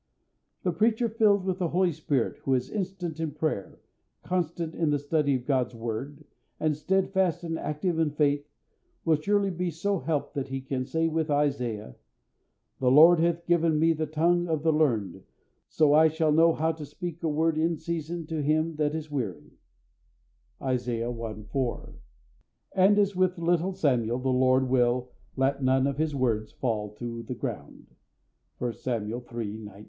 The preacher filled with the Holy Spirit, who is instant in prayer, constant in the study of God's word, and steadfast and active in faith, will surely be so helped that he can say with Isaiah: "The Lord God hath given me the tongue of the learned, that I should know how to speak a word in season to him that is weary" (Isaiah i. 4). And as with little Samuel, the Lord will "let none of his words fall to the ground" (1 Samuel iii. 19).